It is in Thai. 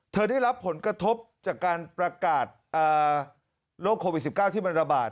ได้รับผลกระทบจากการประกาศโรคโควิด๑๙ที่มันระบาด